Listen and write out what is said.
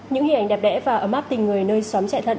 những hình ảnh đẹp đẽ và ấm áp tình người nơi xóm chạy thận